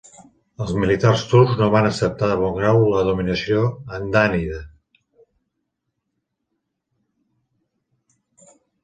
Els militars turcs no van acceptar de bon grau la dominació hamdànida.